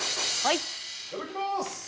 いただきまーす！